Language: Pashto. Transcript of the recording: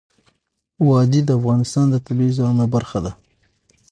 وادي د افغانستان د طبیعي زیرمو برخه ده.